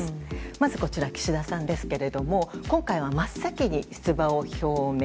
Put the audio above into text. まずこちら、岸田さんですけれども、今回は真っ先に出馬を表明。